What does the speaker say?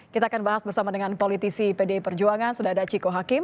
kita akan bahas bersama dengan politisi pdi perjuangan sudadaciko hakim